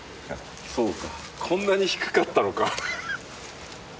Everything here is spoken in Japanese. そうかこんなに低かったのか！